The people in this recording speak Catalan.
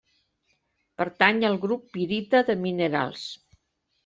Pertany al grup pirita de minerals.